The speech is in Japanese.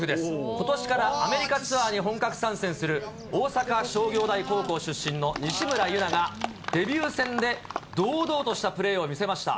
ことしからアメリカツアーに本格参戦する大阪商業大高校出身の西村優菜がデビュー戦で堂々としたプレーを見せました。